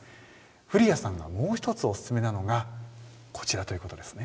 降矢さんがもうひとつおすすめなのがこちらということですね。